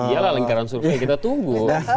ya lah lingkaran survei kita tunggu